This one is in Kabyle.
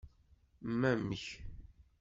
Mamk?